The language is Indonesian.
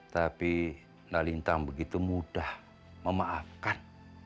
tapi nalintang begitu mudah memaafkan